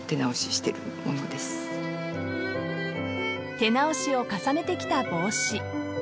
［手直しを重ねてきた帽子］